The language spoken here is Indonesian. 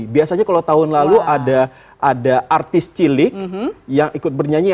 biasanya kalau tahun lalu ada artis cilik yang ikut bernyanyi